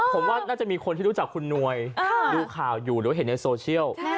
ผมว่าน่าจะมีคนที่รู้จักคุณหน่วยดูข่าวอยู่หรือว่าเห็นในโซเชียล